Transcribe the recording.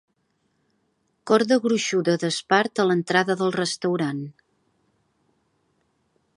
Corda gruixuda d'espart a l'entrada del restaurant.